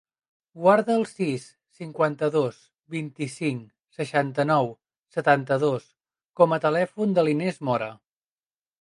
Guarda el sis, cinquanta-dos, vint-i-cinc, seixanta-nou, setanta-dos com a telèfon de l'Inés Mora.